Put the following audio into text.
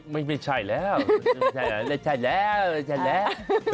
ไม่ใช่แล้วไม่ใช่แล้วไม่ใช่แล้ว